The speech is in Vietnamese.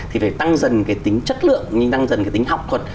thì phải tăng dần cái tính chất lượng nhưng tăng dần cái tính học thuật